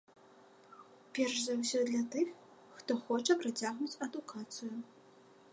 Перш за ўсё для тых, хто хоча працягнуць адукацыю.